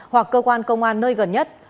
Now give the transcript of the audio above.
hoặc cơ quan công an nơi gần nhất